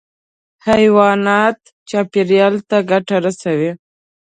حیوانات چاپېریال ته ګټه رسوي.